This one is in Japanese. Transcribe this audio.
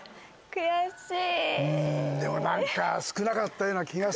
悔しい。